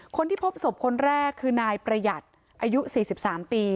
คนที่พบศพคนแรกคือนายประหยัดอายุ๔๓ปี